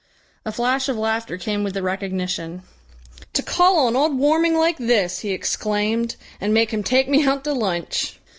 A flash of laughter came with the recognition. "To call on old Warming like this!" he exclaimed, "and make him take me out to lunch!"